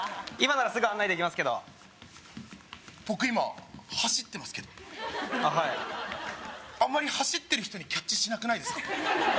今ならすぐ案内できますけど僕今走ってますけどあっはいあんまり走ってる人にキャッチしなくないですか？